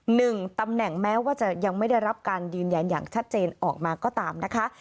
หนึ่งตำแหน่งแม้ว่าจะยังไม่ได้รับการยืนยันอย่างชัดเจนออกมาก็ตามนะคะ